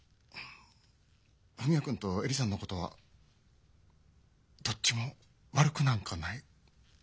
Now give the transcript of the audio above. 文也君と恵里さんのことはどっちも悪くなんかない。